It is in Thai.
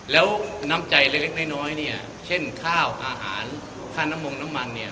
แล้วน้ำใจเล็กน้อยเนี่ยเช่นข้าวอาหารค่าน้ำมงน้ำมันเนี่ย